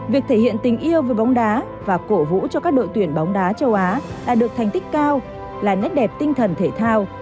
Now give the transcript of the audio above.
việc thể hiện tình yêu với bóng đá và cổ vũ cho các đội tuyển bóng đá châu á đã được thành tích cao là nét đẹp tinh thần thể thao